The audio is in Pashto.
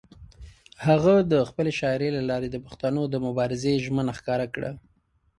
هغه د خپلې شاعرۍ له لارې د پښتنو د مبارزې ژمنه ښکاره کړه.